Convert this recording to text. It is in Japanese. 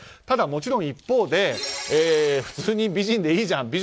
ただ、もちろん、一方で普通に美人でいいじゃん。